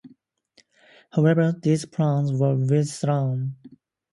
However, these plans were withdrawn.